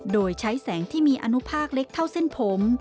โดยใช้แสงที่มีอนุภาคเล็กเท่าเส้นผม